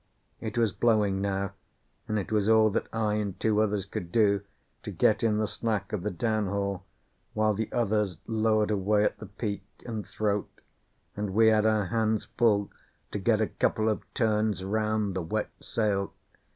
It was blowing now, and it was all that I and two others could do to get in the slack of the downhaul, while the others lowered away at the peak and throat, and we had our hands full to get a couple of turns round the wet sail.